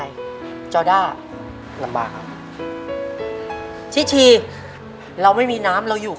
ในแคมเปญพิเศษเกมต่อชีวิตโรงเรียนของหนู